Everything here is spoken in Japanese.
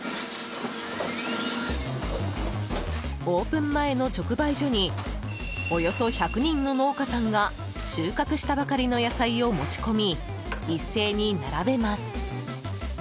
オープン前の直売所におよそ１００人の農家さんが収穫したばかりの野菜を持ち込み一斉に並べます。